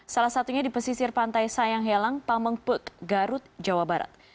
salah satunya di pesisir pantai sayang helang pamengpuk garut jawa barat